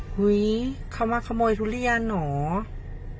เฮ้ยเขามาขโมยทุเรียนเหรอ